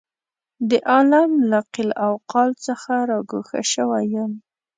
د عالم له قیل او قال څخه را ګوښه شوی یم.